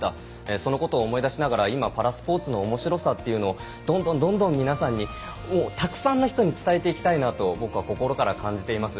そのことを思い出しながらパラスポーツの面白さをどんどんたくさんの人に伝えていきたいなと僕は心から感じています。